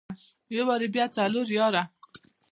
يو واري بيا څلور ياره.